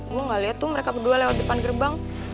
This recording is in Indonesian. gue gak lihat tuh mereka berdua lewat depan gerbang